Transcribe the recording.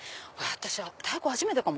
私太鼓初めてかも。